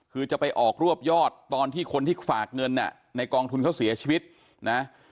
คือจะไปออกรวบยอดตอนที่คนที่ฝากเงินในกองทุนเขาเสียชีวิตนะ